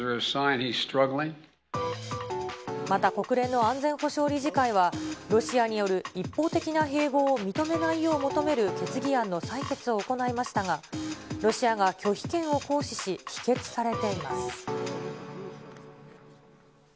また国連の安全保障理事会は、ロシアによる一方的な併合を認めないよう求める決議案の採決を行いましたが、ロシアが拒否権を行使し、否決されています。